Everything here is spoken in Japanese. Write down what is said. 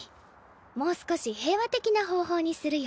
もう少し平和的な方法にするよ。